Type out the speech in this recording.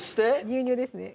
牛乳ですね